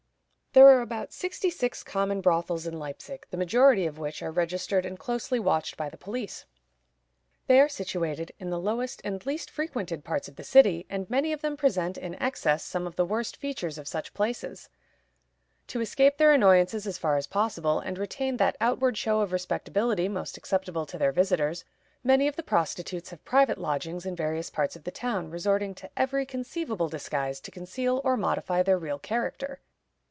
There are about sixty six common brothels in Leipzig, the majority of which are registered and closely watched by the police. They are situated in the lowest and least frequented parts of the city, and many of them present, in excess, some of the worst features of such places. To escape their annoyances as far as possible, and retain that outward show of respectability most acceptable to their visitors, many of the prostitutes have private lodgings in various parts of the town, resorting to every conceivable disguise to conceal or modify their real character.